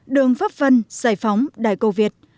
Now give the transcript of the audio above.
đường pháp vân giải phóng đài câu việt